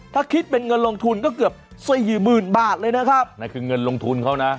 ถ้าคิดเป็นเงินลงทุนก็เกือบสี่หมื่นบาทเลยนะครับนั่นคือเงินลงทุนเขานะ